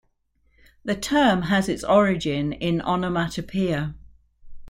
The term has its origin in onomatopoeia.